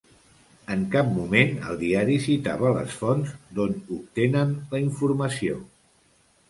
En cap moment el diari citava les fonts d’on obtenen la informació.